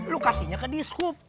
lu kasihnya ke diskup